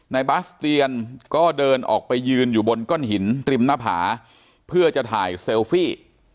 บาสเตียนก็เดินออกไปยืนอยู่บนก้อนหินริมหน้าผาเพื่อจะถ่ายเซลฟี่